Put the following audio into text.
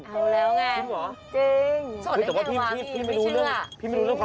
เอาแล้วไงจริงเหรอพี่ไม่รู้เรื่องความรับดาราพี่พูดดีชอบ